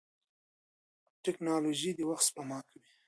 ټیکنالوژي د وخت سپما کوي.